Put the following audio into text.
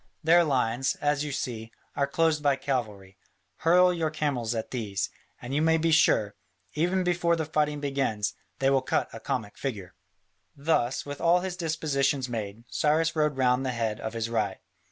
Their lines, as you see, are closed by cavalry; hurl your camels at these, and you may be sure, even before the fighting begins, they will cut a comic figure." Thus, with all his dispositions made, Cyrus rode round the head of his right.